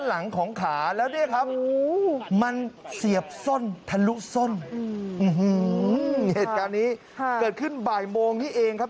เหตุการณ์นี้เกิดขึ้นบ่ายโมงนี้เองครับ